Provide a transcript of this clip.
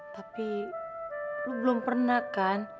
tapi lu belum pernah kan